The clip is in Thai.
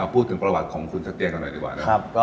พูดถึงประวัติของคุณสัตเตียกันหน่อยดีกว่า